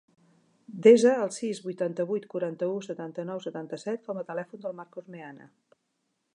Desa el sis, vuitanta-vuit, quaranta-u, setanta-nou, setanta-set com a telèfon del Marcos Meana.